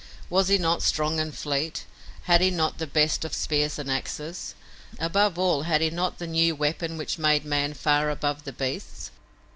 Was he not strong and fleet; had he not the best of spears and axes? Above all, had he not the new weapon which made man far above the beasts?